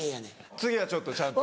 次はちょっとちゃんと。